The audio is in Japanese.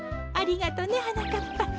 ありがとねはなかっぱ。